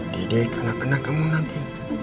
didik anak anak kamu nanti